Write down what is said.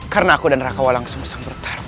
karena aku dan raka walang sungusang bertarung